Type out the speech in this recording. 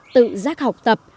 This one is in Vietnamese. tự giác học tập